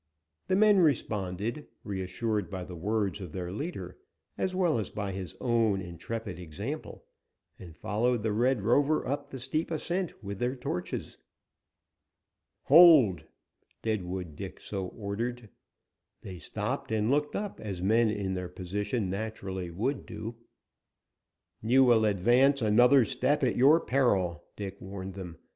The men responded, reassured by the word of their leader, as well as by his own intrepid example, and followed the Red Rover up the steep ascent with their torches. "Hold!" Deadwood Dick so ordered. They stopped and looked up, as men in their position naturally would do. "You will advance another step at your peril," Dick warned them.